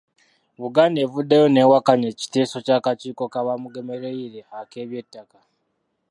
Buganda evuddeyo n'ewakanya ekiteeso ky’akakiiko ka Bamugemereire ak'eby'ettaka.